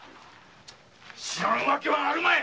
知らんわけはあるまい！